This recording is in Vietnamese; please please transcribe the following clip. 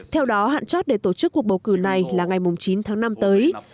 theo đó hạn chót để tổ chức cuộc bầu cử này là ngày chín tháng năm tới